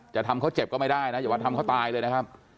จะทำเขาเจ็บก็ไม่ได้นะอย่ามาทำเขาตายเลยนะครับ